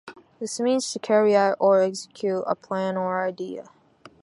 This means to carry out or execute a plan or idea.